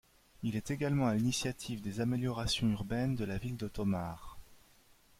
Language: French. Il est également à l'initiative des améliorations urbaines de la ville de Tomar.